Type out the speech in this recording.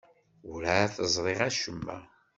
Werɛad teẓri acemma.